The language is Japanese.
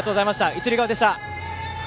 一塁側でした。